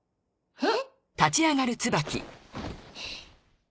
えっ！？